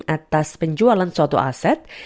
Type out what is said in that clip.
atas penjualan suatu aset